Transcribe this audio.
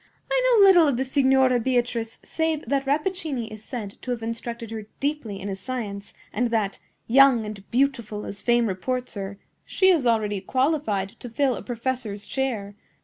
I know little of the Signora Beatrice save that Rappaccini is said to have instructed her deeply in his science, and that, young and beautiful as fame reports her, she is already qualified to fill a professor's chair.